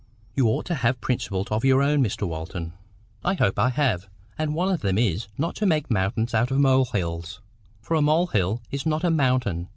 "You ought to have principles of your own, Mr Walton." "I hope I have. And one of them is, not to make mountains of molehills; for a molehill is not a mountain.